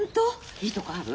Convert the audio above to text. いいとこある？